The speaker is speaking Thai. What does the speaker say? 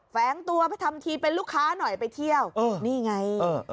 แฟ้งตัวทำทีเป็นลูกค้าหน่อยไปเที่ยวเออนี่ไงเออ